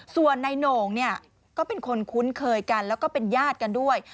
ส่วนนายโหน่งเนี่ยก็เป็นคนคุ้นเคยกันแล้วก็เป็นญาติกันด้วย